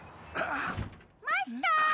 マスター！